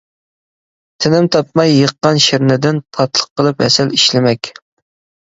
تىنىم تاپماي يىغقان شىرنىدىن، تاتلىق قىلىپ ھەسەل ئىشلىمەك.